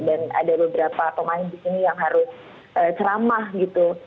dan ada beberapa pemain di sini yang harus ceramah gitu